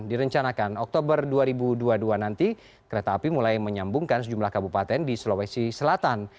direncanakan oktober dua ribu dua puluh dua nanti kereta api mulai menyambungkan sejumlah kabupaten di sulawesi selatan